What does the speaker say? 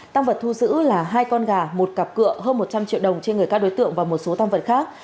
tăng vật thu giữ là hai con gà một cặp cựa hơn một trăm linh triệu đồng trên người các đối tượng và một số tăng vật khác